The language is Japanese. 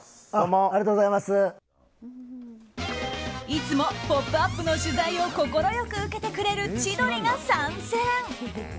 いつも「ポップＵＰ！」の取材を快く受けてくれる千鳥が参戦。